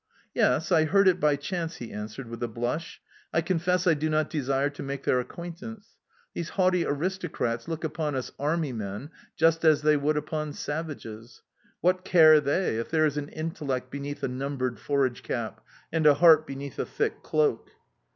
"Yes, I heard it by chance," he answered, with a blush. "I confess I do not desire to make their acquaintance. These haughty aristocrats look upon us army men just as they would upon savages. What care they if there is an intellect beneath a numbered forage cap, and a heart beneath a thick cloak?"